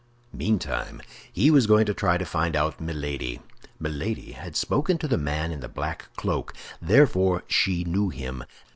Meantime, he was going to try to find out Milady. Milady had spoken to the man in the black cloak; therefore she knew him.